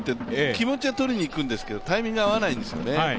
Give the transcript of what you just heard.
気持ちは取りに行くんですけどタイミングが合わないんですよね。